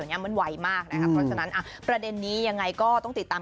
ไม่ว่าจะเป็นเรื่องงานไม่ว่าจะเป็นเรื่องความเชื่อมั่นของคนดู